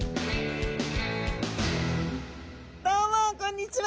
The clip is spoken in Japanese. どうもこんにちは！